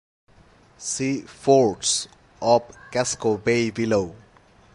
See Forts of Casco Bay below.